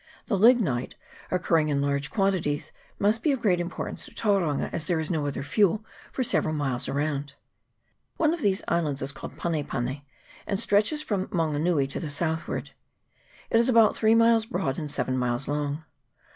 The lignite, occurring in large quantities, must be of great im portance to Tauranga, as there is no other fuel for several miles around. One of these islands is called Pane pane, and stretches from Maunga nui to the southward. It is about three miles broad and seven miles long.